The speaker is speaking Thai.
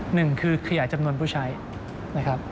หนึ่งคือขยายจำนวนผู้ใช้นะครับ